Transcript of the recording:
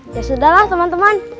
ya sudah lah teman teman